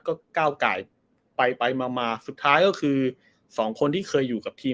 ก็ก้าวไก่ไปไปมามาสุดท้ายก็คือสองคนที่เคยอยู่กับทีม